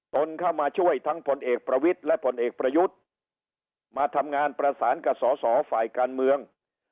ตนเข้ามาช่วยทั้งผลเอกประวิทย์และผลเอกประยุทธ์มาทำงานประสานกับสอสอฝ่ายการเมือง